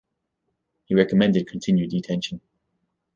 He recommended continued detention.